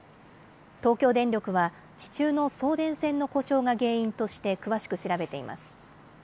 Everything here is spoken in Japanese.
東京電力は、地中の送電線の故障が原因として、詳しく調べています。